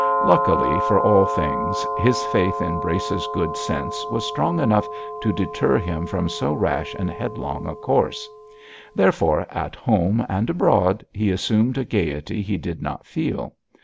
Luckily for all things, his faith in Brace's good sense was strong enough to deter him from so rash and headlong a course; therefore, at home and abroad, he assumed a gaiety he did not feel.